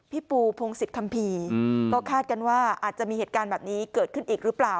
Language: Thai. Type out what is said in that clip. พี่ปูพงศิษยคัมภีร์ก็คาดกันว่าอาจจะมีเหตุการณ์แบบนี้เกิดขึ้นอีกหรือเปล่า